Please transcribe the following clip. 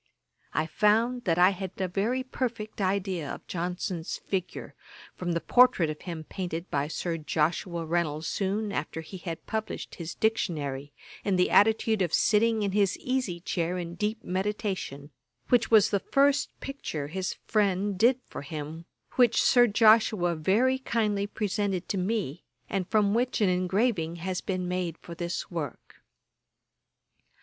I found that I had a very perfect idea of Johnson's figure, from the portrait of him painted by Sir Joshua Reynolds soon after he had published his Dictionary, in the attitude of sitting in his easy chair in deep meditation, which was the first picture his friend did for him, which Sir Joshua very kindly presented to me, and from which an engraving has been made for this work.